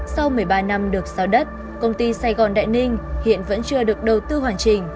sau một mươi ba năm được giao đất công ty sài gòn đại ninh hiện vẫn chưa được đầu tư hoàn chỉnh